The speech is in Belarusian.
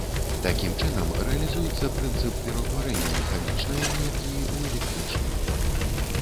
Такім чынам, рэалізуецца прынцып пераўтварэння механічнай энергіі ў электрычную.